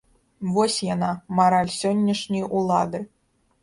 Вось яна, мараль сённяшняй улады!